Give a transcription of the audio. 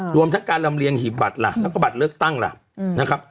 รวมทั้งการลำเลียงหีบบัตรล่ะแล้วก็บัตรเลือกตั้งล่ะนะครับ